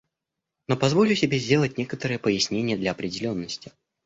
Но позволю себе сделать некоторое пояснение для определенности.